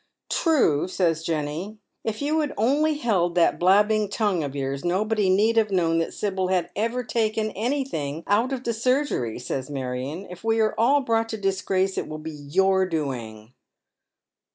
" True," Bays Jenny. " If you had only held that blabbing tongue of yours nobody need have known that Sibyl had ever taken anything out of the eurgery," says Marion. " If we are all brought to disgrace it •vill be your doing."